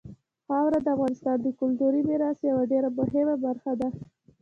خاوره د افغانستان د کلتوري میراث یوه ډېره مهمه برخه ده.